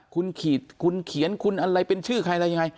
คุณขีดคุณเขียนคุณอะไรเป็นชื่อใครอะไรยังไง